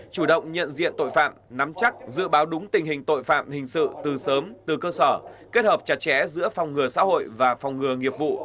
chủ động nhận diện tội phạm nắm chắc dự báo đúng tình hình tội phạm hình sự từ sớm từ cơ sở kết hợp chặt chẽ giữa phòng ngừa xã hội và phòng ngừa nghiệp vụ